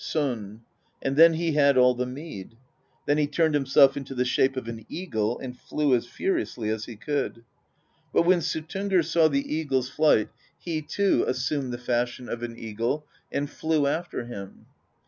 Son; and then he had all the mead. Then he turned himself into the shape of an eagle and flew as furiously as he could; but when Suttungr saw the eagle's 96 PROSE EDDA flight, he too assumed the fashion of an eagle and flew after him.